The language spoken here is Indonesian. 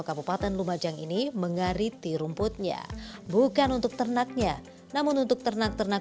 kabupaten lumajang ini mengariti rumputnya bukan untuk ternaknya namun untuk ternak ternak